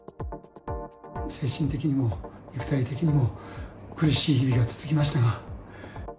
精神的にも肉体的にも苦しい日々が続きましたが。